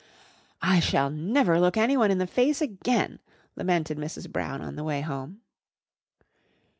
"I shall never look anyone in the face again," lamented Mrs. Brown on the way home.